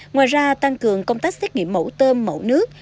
ngoài ra tăng cường công tác xét nghiệm mẫu tôm mẫu nước